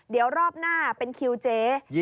เดี๋ยวรอบหน้าเป็นคิวเจ๊